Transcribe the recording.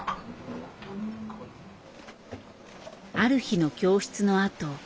ある日の教室のあと。